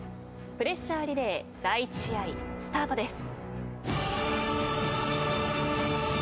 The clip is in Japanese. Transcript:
プレッシャーリレー第１試合スタートです。